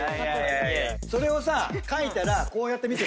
それをさ書いたらこうやって見せて。